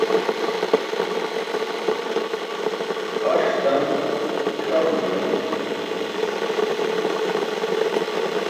Qaṣ dan ixarum juwan.